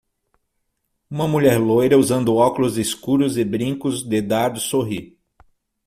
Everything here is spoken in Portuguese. Uma mulher loira usando óculos escuros e brincos de dados sorri.